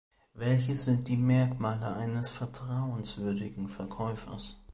Welches sind die Merkmale eines vertrauenswürdigen Verkäufers?